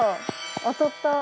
当たった。